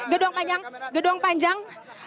gedung panjang gedung panjang